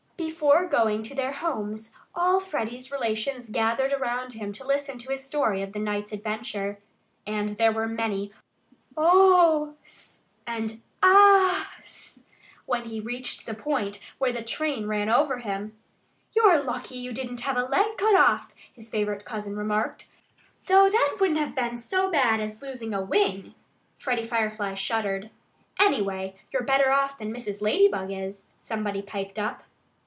Before going to their homes all Freddie's relations gathered around him to listen to his story of the night's adventure. And there were many "Ohs" and "Ahs" when he reached the point where the train ran over him. "You're lucky you didn't have a leg cut off," his favorite cousin remarked, "though that wouldn't have been so bad as losing a wing." Freddie Firefly shuddered. "Anyway, you're better off than Mrs. Ladybug is," somebody piped up.